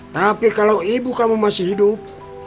tapi kalau ibu kamu masih hidup